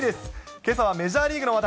けさはメジャーリーグの話題。